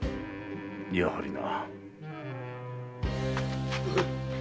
やはりな。